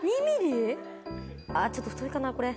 あちょっと太いかなこれ。